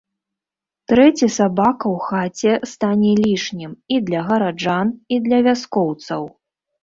Трэці сабака ў хаце стане лішнім і для гараджан, і для вяскоўцаў.